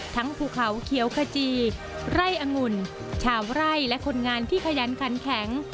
ภูเขาเขียวขจีไร่อังุ่นชาวไร่และคนงานที่ขยันขันแข็ง